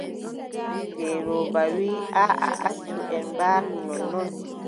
Ngeelooba wii: aaʼa accu en mbaalu nonnon.